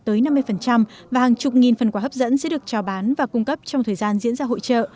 tới năm mươi và hàng chục nghìn phần quà hấp dẫn sẽ được trào bán và cung cấp trong thời gian diễn ra hội trợ